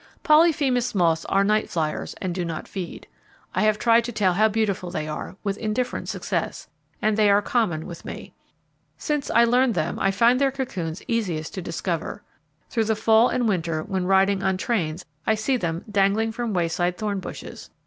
Polyphemus moths are night flyers, and do not feed. I have tried to tell how beautiful they are, with indifferent success, and they are common with me. Since I learned them, find their cocoons easiest to discover. Through the fall and winter, when riding on trains, I see them dangling from wayside thorn bushes.